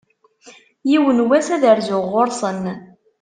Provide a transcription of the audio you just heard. Yiwen wass, ad rzuɣ ɣur-sen.